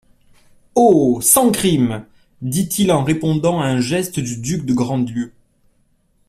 Oh! sans crimes ! dit-il en répondant à un geste du duc de Grandlieu.